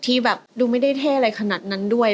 ที่แบบดูไม่ได้เท่อะไรขนาดนั้นด้วย